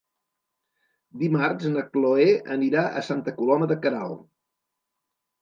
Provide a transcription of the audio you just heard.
Dimarts na Chloé anirà a Santa Coloma de Queralt.